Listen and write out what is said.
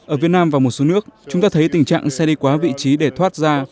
ở việt nam và một số nước chúng ta thấy tình trạng xe đi quá vị trí để thoát ra